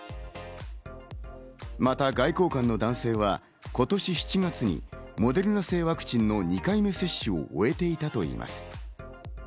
また外交官の男性は今年７月にモデルナ製ワクチンの２回目接種を終えていたといいます。